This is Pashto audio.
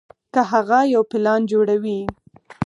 کۀ هغه يو پلان جوړوي